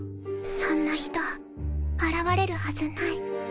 そんな人現れるはずない。